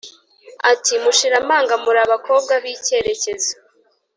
Ati mushira amanga, mur’abakobwa bikerekezo